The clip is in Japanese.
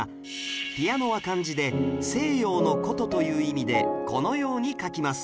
ピアノは漢字で「西洋の琴」という意味でこのように書きます